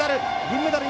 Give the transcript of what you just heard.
銀メダル